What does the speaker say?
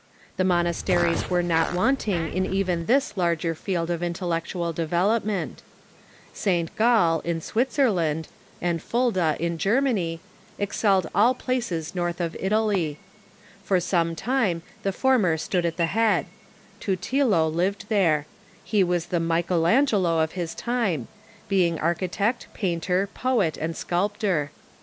The monasteries were not Avanting in Art in Churches even this larger field of intellectual development, and Monasteries gj Q^ll, in Switzerland, and Fulda, in Germany, 164 THE MEDIAEVAL CHURCH excelled all places north of Italy. For some time the former stood at the head. Tutilo lived there. He Avas the Michael Aiigelo of his time, being architect, painter, poet, and sculp tor.